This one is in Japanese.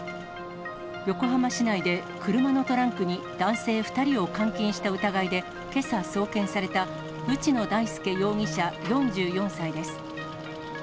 横浜市内で、車のトランクに男性２人を監禁した疑いでけさ送検された、内野大輔容疑者４４歳です。